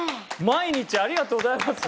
毎日ありがとうございます。